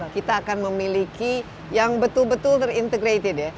kita akan memiliki yang betul betul terintegrated ya